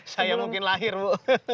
saya mungkin lahir bu